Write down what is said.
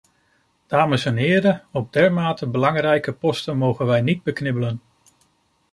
Dames en heren, op dermate belangrijke posten mogen wij niet beknibbelen.